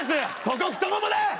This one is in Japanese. ここ太ももだ！